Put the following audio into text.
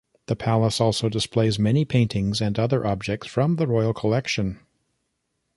The palace also displays many paintings and other objects from the Royal Collection.